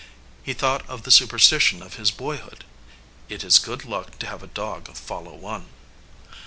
He thought of the supersti tion of his boyhood "It is good luck to have a dog follow one."